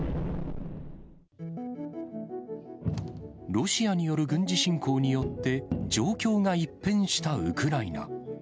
ロシアによる軍事侵攻によって状況が一変したウクライナ。